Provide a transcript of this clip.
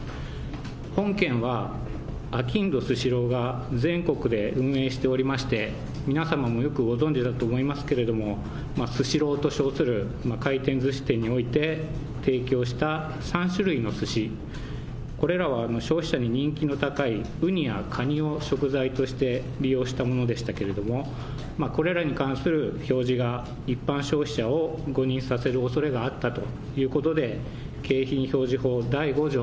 本件は、あきんどスシローが全国で運営しておりまして、皆様もよくご存じだと思いますけれども、スシローと称する回転ずし店において提供した３種類のすし、これらは消費者に人気の高いウニやカニを食材として利用したものでしたけれども、これらに関する表示が、一般消費者を誤認させるおそれがあったということで、景品表示法第５条